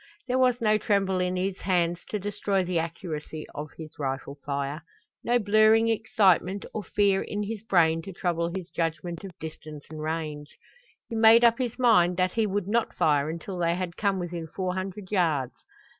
There was no tremble in his hands to destroy the accuracy of his rifle fire, no blurring excitement or fear in his brain to trouble his judgment of distance and range. He made up his mind that he would not fire until they had come within four hundred yards.